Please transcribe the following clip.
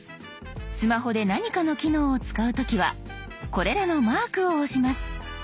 スマホで何かの機能を使う時はこれらのマークを押します。